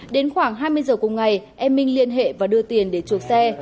đến khoảng hai mươi giờ cùng ngày em minh liên hệ và đưa tiền để chuộc xe